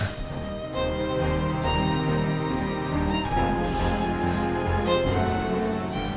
gak ada data